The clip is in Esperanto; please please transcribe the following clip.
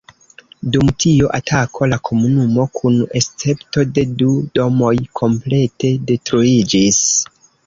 Dum tio atako la komunumo kun escepto de du domoj komplete detruiĝis.